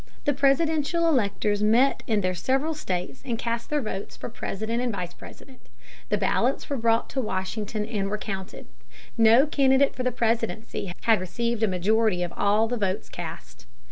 The presidential electors met in their several states and cast their votes for President and Vice President. The ballots were brought to Washington and were counted. No candidate for the presidency had received a majority of all the votes cast.